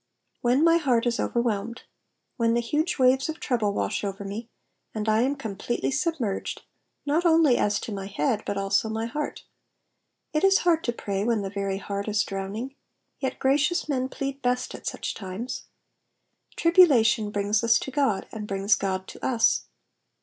''''When my heart is overwhehnetl :'"— when the huge waves of trouble wash over me, and I am completely submerged, not only as to my head, but also my heart. It is hard to pray when the very heart is drowning, yet gracious men plead best at such times. Tribulation brings us to God, and brings God to us.